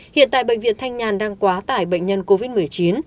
hiện tại bệnh viện thanh nhàn đang quá tải bệnh nhân covid một mươi chín